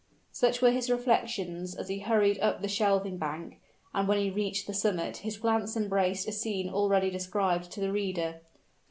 Such were his reflections as he hurried up the shelving bank: and when he reached the summit his glance embraced a scene already described to the reader.